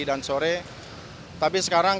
dan sore tapi sekarang